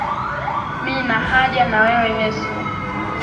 Mi nahaja na wewe Yesu